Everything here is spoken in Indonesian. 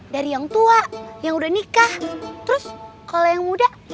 dari yang tua yang udah nikah terus kalau yang muda